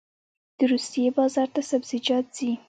د روسیې بازار ته سبزیجات ځي